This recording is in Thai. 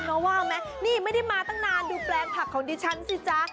เพราะว่าไหมนี่ไม่ได้มาตั้งนานดูแปลงผักของดิฉันสิจ๊ะ